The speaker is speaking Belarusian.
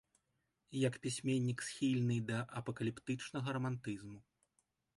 Як пісьменнік схільны да апакаліптычнага рамантызму.